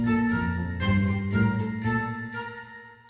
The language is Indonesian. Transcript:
dia duduk di ruang sidang